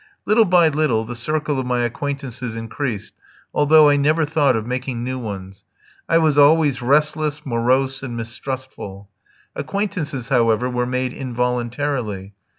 Little by little the circle of my acquaintances increased, although I never thought of making new ones. I was always restless, morose, and mistrustful. Acquaintances, however, were made involuntarily.